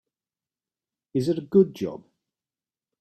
Is it a good job?